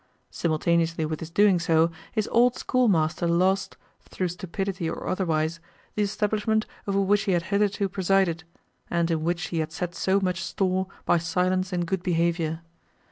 Simultaneously with his doing so, his old schoolmaster lost (through stupidity or otherwise) the establishment over which he had hitherto presided, and in which he had set so much store by silence and good behaviour.